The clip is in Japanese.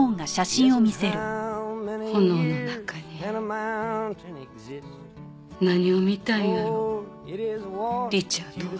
炎の中に何を見たんやろリチャードは。